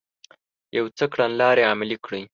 يو څه کړنلارې عملي کړې